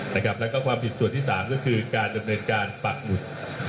แล้วก็ความผิดส่วนที่๓ก็คือการดำเนินการปักหมุด